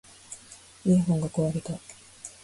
イヤホンが壊れた